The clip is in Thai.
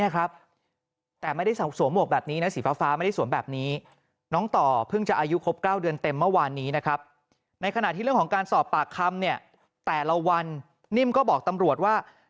การสอบปากคำเนี่ยแต่ละวันนิ่มก็บอกตำรวจว่า